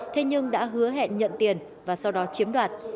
thế nhưng đã hứa hẹn nhận tiền và sau đó chiếm đoạt